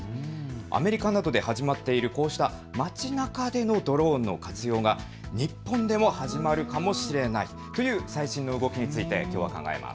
アメリカなどで始まっているこうした町なかでのドローンの活用が日本で始まるかもしれないという最新の動きについてきょうは考えます。